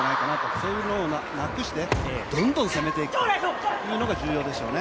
そういうのをなくしてどんどん攻めていくというのが重要でしょうね。